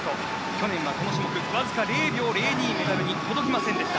去年はこの種目わずか０秒０２メダルに届きませんでした。